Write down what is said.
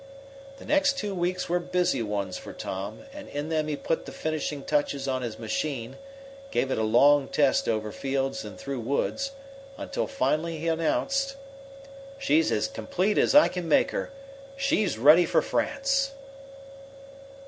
The next two weeks were busy ones for Tom, and in them he put the finishing touches on his machine, gave it a long test over fields and through woods, until finally he announced: "She's as complete as I can make her! She's ready for France!"